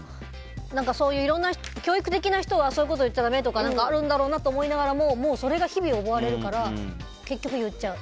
教育的な人はそういうこと言っちゃダメとかあるんだろうなと思いながらもそれに日々追われるから結局言っちゃう。